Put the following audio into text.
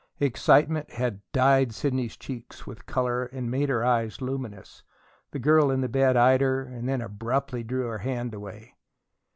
Excitement had dyed Sidney's cheeks with color and made her eyes luminous. The girl in the bed eyed her, and then abruptly drew her hand away.